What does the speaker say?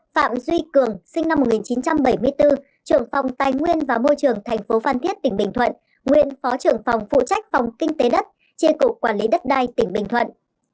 sáu phạm duy cường sinh năm một nghìn chín trăm bảy mươi bốn trưởng phòng tài nguyên và môi trường tp phan thiết tỉnh bình thuận nguyên phó trưởng phòng phụ trách phòng kinh tế đất tri cục quản lý đất đai tỉnh bình thuận